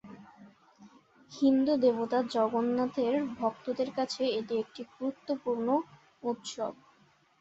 হিন্দু দেবতা জগন্নাথের ভক্তদের কাছে এটি একটি গুরুত্বপূর্ণ উৎসব।